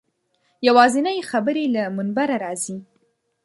یوازینۍ خبرې له منبره راځي.